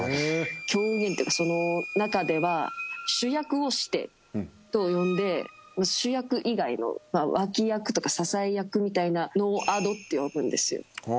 狂言の中では主役をシテと呼んで主役以外の脇役とか支え役みたいなのをアドって呼ぶんです。